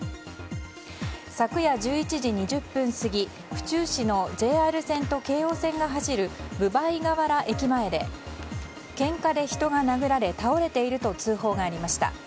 昨夜１１時２０分過ぎ府中市のＪＲ線と京王線が走る分倍河原駅前でけんかで人が殴られ倒れていると通報がありました。